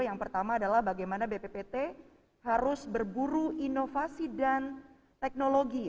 yang pertama adalah bagaimana bppt harus berburu inovasi dan teknologi